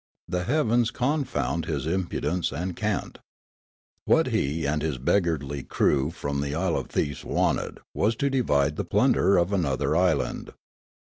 The heavens confound his impudence and cant ! What he and his beggarly crew from the isle of thieves wanted was to divide the plunder of another island.